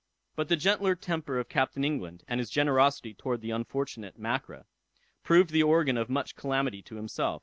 But the gentle temper of Captain England, and his generosity towards the unfortunate Mackra, proved the organ of much calamity to himself.